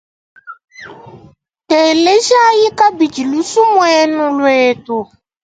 Telejayi kabidi lusumuinu lwetu.